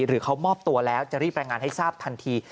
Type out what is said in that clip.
หรือเขามอบตัวแล้วจะรีบรายงานให้ทราบทันที